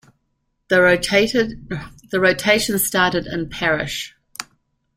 The rotation started in Parrish.